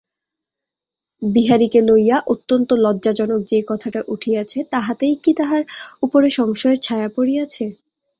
বিহারীকে লইয়া অত্যন্ত লজ্জাজনক যে-কথাটা উঠিয়াছে, তাহাতেই কি তাহার উপরে সংশয়ের ছায়া পড়িয়াছে।